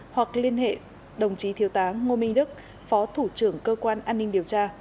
hoặc liên hệ đồng chí thiếu tá ngô minh đức phó thủ trưởng cơ quan an ninh điều tra